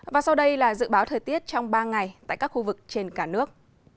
và sau đây là dự báo thời tiết trong ba ngày tại các khu vực trên cả nước